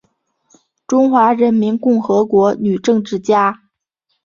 中华人民共和国女政治家。